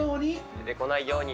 出てこないように。